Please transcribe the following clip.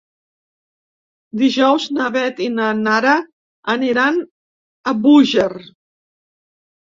Dijous na Beth i na Nara aniran a Búger.